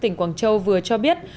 tỉnh quảng châu vừa cho biết